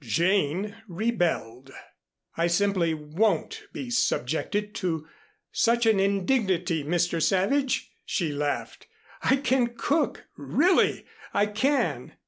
Jane rebelled. "I simply won't be subjected to such an indignity, Mr. Savage," she laughed. "I can cook really I can."